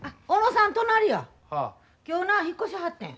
今日な引っ越しはってん。